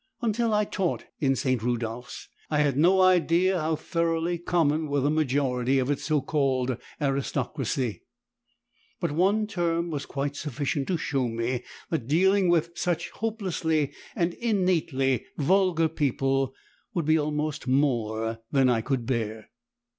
Until I taught in St. Rudolphs I had no idea how thoroughly common were the majority of its so called aristocracy, but one term was quite sufficient to show me that dealing with such hopelessly and innately vulgar people would be almost more than I could bear.